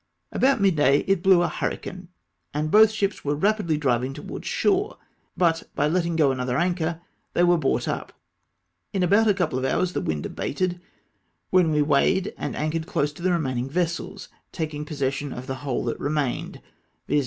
About midday it blew a hurricane, and both ships were rapidly driving towards shore, but by letting go another anchor they were brought up. In about a couple of hom's the wind abated, when we weighed and anchored close to the remaining vessels, taking possession of the whole that remained, viz.